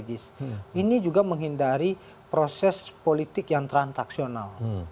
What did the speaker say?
ini juga menghindari proses politik yang transaksional